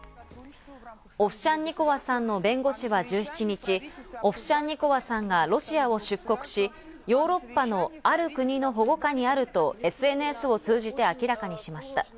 オフシャンニコワさんの弁護士は１７日、オフシャンニコワさんがロシアを出国し、ヨーロッパのある国の保護下にあるとＳＮＳを通じて明らかにしました。